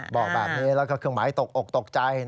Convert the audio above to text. บอกแบบนี้แล้วก็เครื่องหมายตกอกตกใจ